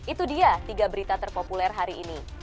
itu dia tiga berita terpopuler hari ini